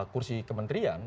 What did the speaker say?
tujuh kursi kementerian